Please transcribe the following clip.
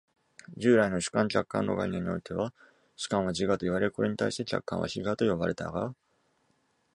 従来の主観・客観の概念においては、主観は自我といわれ、これに対して客観は非我と呼ばれたが、